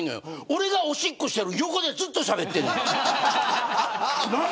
俺がおしっこしてる横でずっとしゃべってるの。